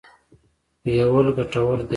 بویول ګټور دی.